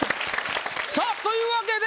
さあというわけで。